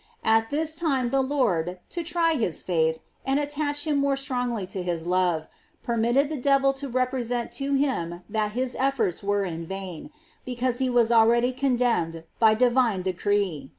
At this time the Lord, to try his faith, and attach him more strongly to his love, per mitted the devil to represent to him that his efforts were in vain, because he was already condemned by the divine decree.